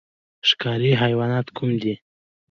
ښکاري حیوانات کوم دي؟